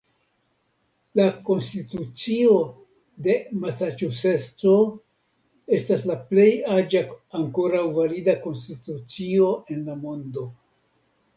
La Konstitucio de Masaĉuseco estas la plej aĝa ankoraŭ valida konstitucio en la mondo.